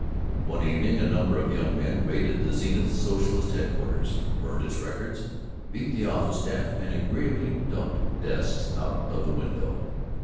One evening a number of young men raided the Zenith Socialist Headquarters, burned its records, beat the office staff, and agreeably dumped desks out of the window.